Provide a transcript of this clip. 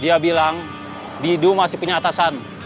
dia bilang didu masih punya atasan